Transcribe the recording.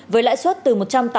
với lãi suất từ một trăm tám mươi